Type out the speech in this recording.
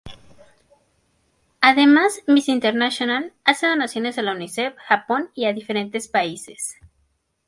Además, Miss International hace donaciones a la Unicef Japón y a diferentes países.